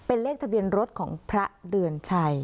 เป็นเลขทะเบียนรถของพระเดือนชัย